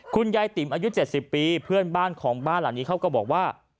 ติ๋มอายุ๗๐ปีเพื่อนบ้านของบ้านหลังนี้เขาก็บอกว่า